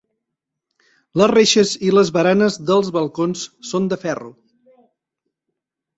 Les reixes i les baranes dels balcons són de ferro.